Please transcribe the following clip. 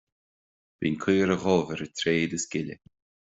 Bíonn caora dhubh ar an tréad is gile